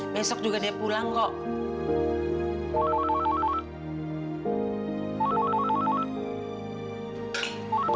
besok juga dia pulang kok